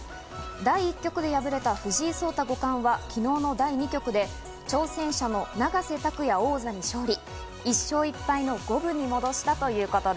第１局で敗れた藤井聡太五冠は昨日の第２局で挑戦者の永瀬拓矢王座に勝利。